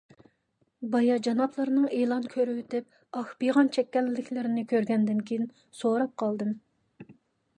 بايا جانابلىرىنىڭ ئېلان كۆرۈۋېتىپ ئاھ - پىغان چەككەنلىكلىرىنى كۆرگەندىن كېيىن سوراپ قالدىم.